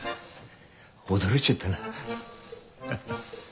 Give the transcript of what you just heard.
驚いちゃったなハハ。